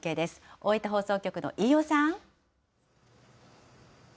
大分放送局の飯尾さん。